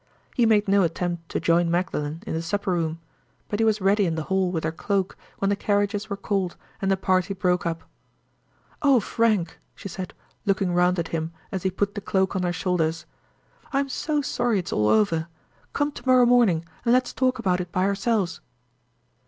He made no attempt to join Magdalen in the supper room—but he was ready in the hall with her cloak when the carriages were called and the party broke up. "Oh, Frank!" she said, looking round at him as he put the cloak on her shoulders, "I am so sorry it's all over! Come to morrow morning, and let's talk about it by ourselves."